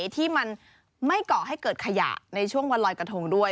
ที่มันไม่ก่อให้เกิดขยะในช่วงวันลอยกระทงด้วย